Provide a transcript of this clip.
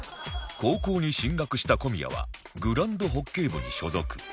高校に進学した小宮はグランドホッケー部に所属